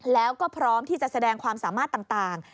แล้วก็พร้อมที่จะแสดงความสามารถต่าง